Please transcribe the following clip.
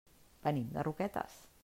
Venim de Roquetes.